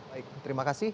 baik terima kasih